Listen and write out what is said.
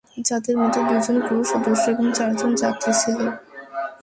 যাদের মধ্যে দুজন ক্রু সদস্য এবং চারজন যাত্রী ছিল।